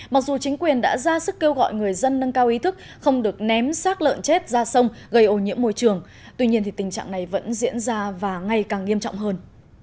mặc dù chính quyền đã ra sức kêu gọi người dân nâng cao ý thức không được ném sát lợn chết ra sông gây ô nhiễm môi trường tuy nhiên tình trạng này vẫn diễn ra và ngày càng nghiêm trọng hơn